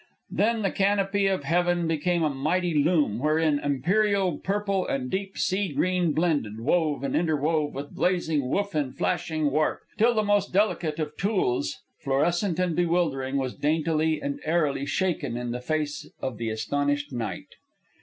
Then the canopy of heaven became a mighty loom, wherein imperial purple and deep sea green blended, wove, and interwove, with blazing woof and flashing warp, till the most delicate of tulles, fluorescent and bewildering, was daintily and airily shaken in the face of the astonished night.